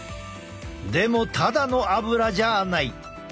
でもただのアブラじゃない。